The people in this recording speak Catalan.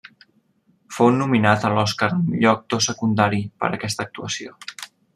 Fou nominat a l'Oscar al Millor Actor Secundari per aquesta actuació.